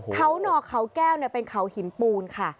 เขาหนอเขาแก้วเป็นเขาหินปูนค่ะ